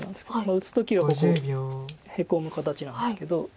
打つ時はここヘコむ形なんですけど。